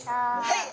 はい！